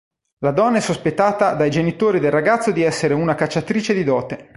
La donna è sospettata dai genitori del ragazzo di essere una cacciatrice di dote.